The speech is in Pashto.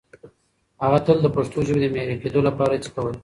هغه تل د پښتو ژبې د معیاري کېدو لپاره هڅې کولې.